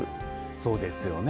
そうですよね。